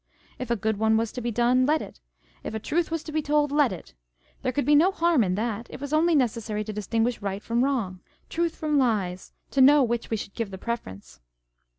If a good was to be done, let it â€" if a truth was to be told, let it ! There could be no harm in that : it was only necessary to distinguish right from wrong, truth from lies, to know to which we should give the preference.